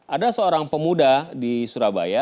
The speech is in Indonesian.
ada seorang pemuda di surabaya